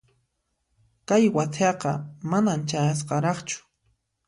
Kay wathiaqa mana chayasqaraqchu.